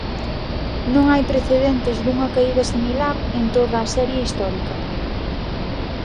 Non hai precedentes dunha caída similar en toda a serie histórica.